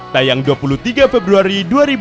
tayang dua puluh tiga februari dua ribu dua puluh